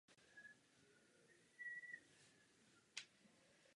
Mají na výběr desítky kurzů pořádaných na členských univerzitách.